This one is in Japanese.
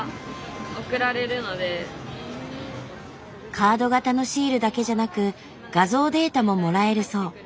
カード型のシールだけじゃなく画像データももらえるそう。